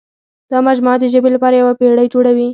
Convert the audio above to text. دا مجموعه د ژبې لپاره یوه پېړۍ جوړوي.